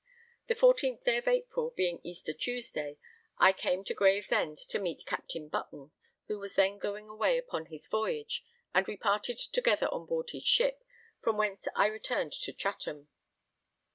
The 14th day of April, being Easter Tuesday, I came to Gravesend to meet Captain Button, who was then going away upon his voyage, and we parted together on board his ship, from whence I returned to Chatham.